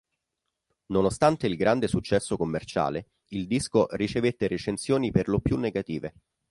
Nonostante il grande successo commerciale, il disco ricevette recensioni per lo più negative.